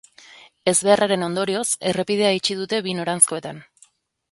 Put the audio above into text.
Ezbeharraren ondorioz, errepidea itxi dute bi noranzkoetan.